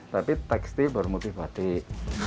tapi tekstil bermotif batik